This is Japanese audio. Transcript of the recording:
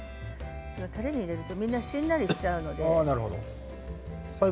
たれに入れるとみんなしんなりしちゃうので。